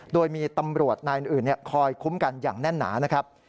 โดยมีตำรวจนายอื่นคอยคุ้มกันอย่างแน่นหนานะครับ